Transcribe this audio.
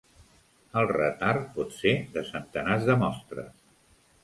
El retard pot ser de centenars de mostres.